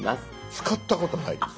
使ったことないです。